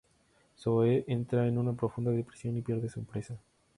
Zoe entra en una profunda depresión y pierde su empresa.